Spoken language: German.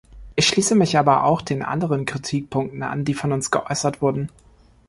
Ich schließe mich aber auch den anderen Kritikpunkten an, die von uns geäußert wurden.